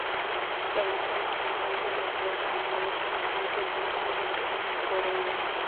En la zona se encuentra la Iglesia Católica Santos Mártires Coreanos.